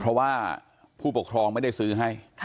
เพราะว่าผู้ปกครองไม่ได้ซื้อให้